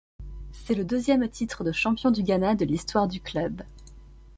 C'est le deuxième titre de champion du Ghana de l'histoire du club.